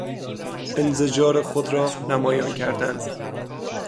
انزجار خود را نمایان کردن